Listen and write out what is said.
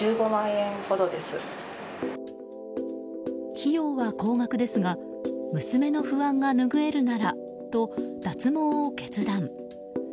費用は高額ですが、娘の不安が拭えるならと脱毛を決断。